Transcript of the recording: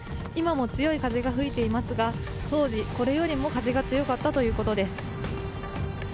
今も強い風が吹いていますが当時、これよりも風が強かったということです。